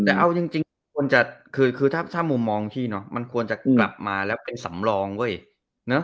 แต่เอาจริงจริงควรจะคือคือถ้าถ้ามุมมองที่เนอะมันควรจะกลับมาแล้วเป็นสำรองเว้ยเนอะ